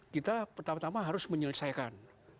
kita pertama tama harus menyelesaikan